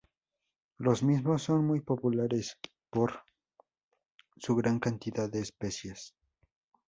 Los mismos son muy populares por su gran cantidad de especias.